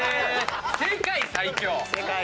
世界最強⁉